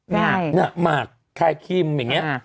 หน้ามากคล้ายขิ่มอย่างนี้